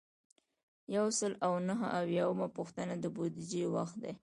یو سل او نهه اویایمه پوښتنه د بودیجې وخت دی.